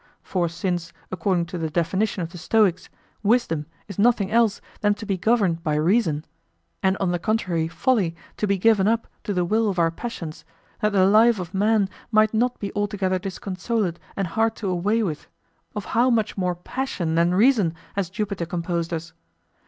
For since according to the definition of the Stoics, wisdom is nothing else than to be governed by reason, and on the contrary Folly, to be given up to the will of our passions, that the life of man might not be altogether disconsolate and hard to away with, of how much more passion than reason has Jupiter composed us?